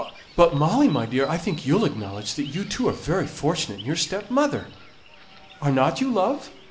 But, Molly my dear, I think you'll acknowledge that you too are very fortunate in your stepmother. Are not you, love?